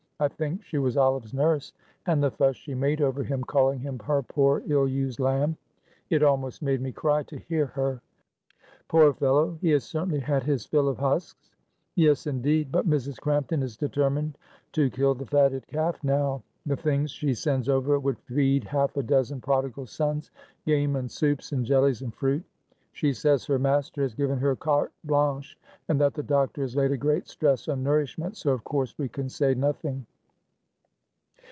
I think she was Olive's nurse. And the fuss she made over him, calling him her 'poor, ill used lamb.' It almost made me cry to hear her." "Poor fellow, he has certainly had his fill of husks." "Yes, indeed; but Mrs. Crampton is determined to kill the fatted calf now. The things she sends over would feed half a dozen prodigal sons, game and soups, and jellies and fruit. She says her master has given her carte blanche, and that the doctor has laid a great stress on nourishment, so of course we can say nothing."